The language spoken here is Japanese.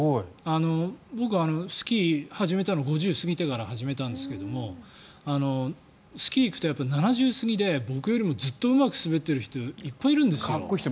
僕、スキーを始めたの５０過ぎてから始めたんですがスキーに行くと７０過ぎで僕よりもずっとうまく滑ってる人がかっこいい人いますよね。